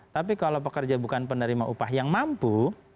tapi kalau pekerja bukan penerima upah yang mampu